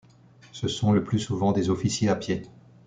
Ce sont le plus souvent des officiers à pied.